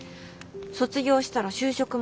卒業したら就職もする。